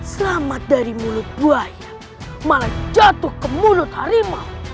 selamat dari mulut buaya malah jatuh ke mulut harimau